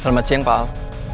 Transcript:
selamat siang pak al